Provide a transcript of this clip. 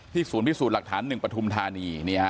ศูนย์พิสูจน์หลักฐาน๑ปฐุมธานี